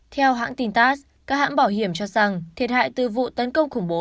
theo hãng tin tass các hãng bảo hiểm cho rằng thiệt hại từ vụ tấn công khủng bố